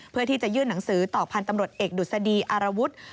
เพื่อที่จะยื่นหนังสือต่อพันธ์ตำรวจเอกดุษฎีอารวุฒิ